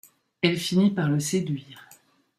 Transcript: Elle finit par le séduire.